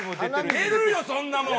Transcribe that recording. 出るよそんなもん！